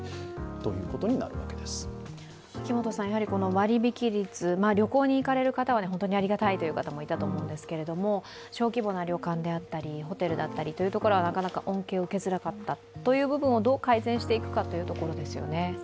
割引率、旅行に行かれる方には本当にありがたいという方もいたと思いますけれども、小規模な旅館であったりホテルはなかなか恩恵を受けづらかったどう改善していくかというところですよね。